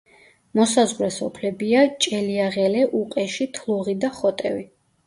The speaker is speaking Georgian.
მოსაზღვრე სოფლებია: ჭელიაღელე, უყეში, თლუღი და ხოტევი.